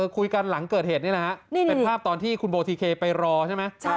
คุยกันหลังเกิดเหตุนี่แหละฮะเป็นภาพตอนที่คุณโบทีเคไปรอใช่ไหม